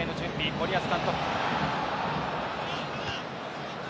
森保監督。